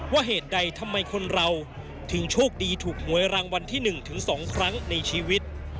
เหตุใดทำไมคนเราถึงโชคดีถูกหวยรางวัลที่๑ถึง๒ครั้งในชีวิต